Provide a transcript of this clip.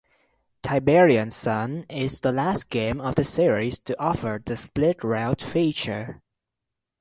"Tiberian Sun" is the last game of the series to offer the split-route feature.